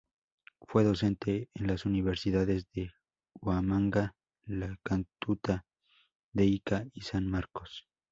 Fue docente en las universidades de Huamanga, La Cantuta, de Ica y San Marcos.